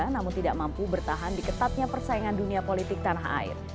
namun tidak mampu bertahan di ketatnya persaingan dunia politik tanah air